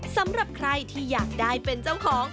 สำหรับใครที่อยากได้เป็นเจ้าของ